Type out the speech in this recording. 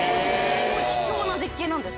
すごい貴重な絶景なんです。